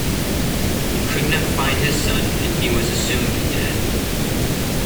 He could not find his son and he was assumed dead.